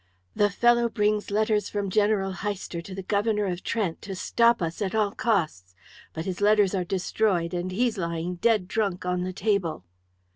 "The fellow brings letters from General Heister to the Governor of Trent to stop us at all costs. But his letters are destroyed, and he's lying dead drunk on the table."